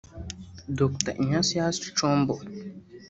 Dr Ignatius Chombo